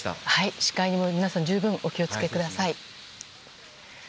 視界には皆さん十分お気をつけください。